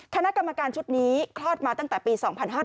คณะกรรมการชุดนี้คลอดมาตั้งแต่ปี๒๕๕๙